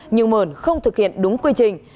nhưng mờn không thực hiện đúng quy trình